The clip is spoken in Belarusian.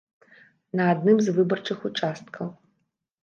На адным з выбарчых участкаў.